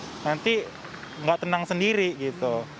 nanti nggak tenang sendiri gitu